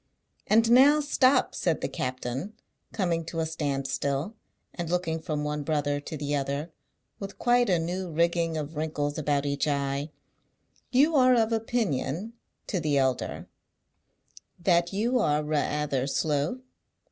"And now stop!" said the captain, coming to a standstill, and looking from one brother to the other, with quite a new rigging of wrinkles about each eye; "you are of opinion," to the elder, "that you are ra'ather slow?"